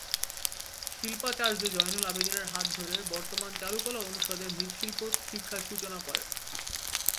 শিল্পাচার্য জয়নুল আবেদীন এর হাত ধরে বর্তমান চারুকলা অনুষদে মৃৎশিল্প শিক্ষার সূচনা করেন।